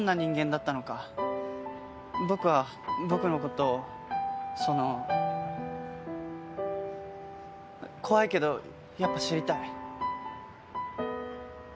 僕は僕の事その怖いけどやっぱ知りたい。